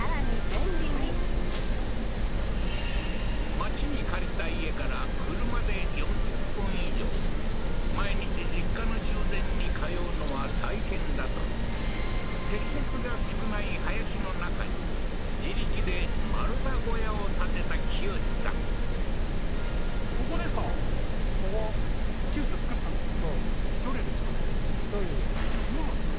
町に借りた家から車で４０分以上毎日実家の修繕に通うのは大変だと積雪が少ない林の中に自力で丸太小屋を建てた清司さんそうなんですか